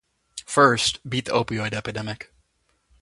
First, beat the opioid epidemic.